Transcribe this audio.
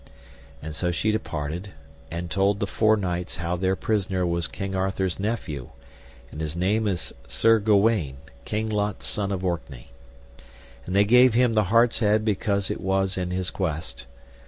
And so she departed and told the four knights how their prisoner was King Arthur's nephew, and his name is Sir Gawaine, King Lot's son of Orkney. And they gave him the hart's head because it was in his quest.